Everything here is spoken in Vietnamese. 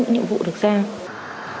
những nhiệm vụ được giao